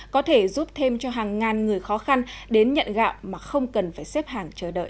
có thể giúp thêm cho hàng ngàn người khó khăn đến nhận gạo mà không cần phải xếp hàng chờ đợi